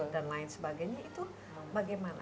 dan lain sebagainya itu bagaimana